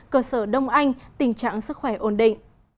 cơ sở đông anh tình trạng sức khỏe ổn định